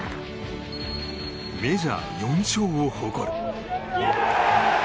メジャー４勝を誇る。